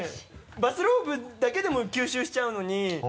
バスローブだけでも吸収しちゃうのに。